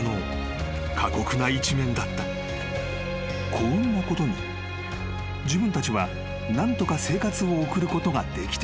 ［幸運なことに自分たちは何とか生活を送ることができている］